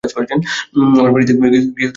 আমার বাড়িতে গিয়ে গোসল করতে পারো।